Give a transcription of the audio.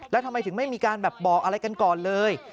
แล้วทำไมถึงไม่มีการแบบบอกอะไรกันก่อนเลย